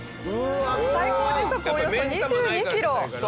最高時速およそ２２キロ。